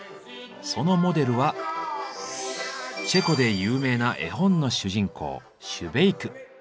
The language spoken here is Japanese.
そのモデルはチェコで有名な絵本の主人公シュベイク。